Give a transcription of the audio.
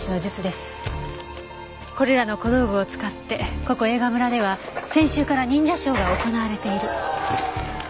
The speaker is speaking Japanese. これらの小道具を使ってここ映画村では先週から忍者ショーが行われている。